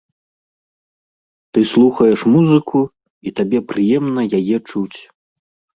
Ты слухаеш музыку, і табе прыемна яе чуць.